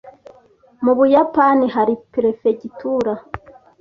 Mu Buyapani hari perefegitura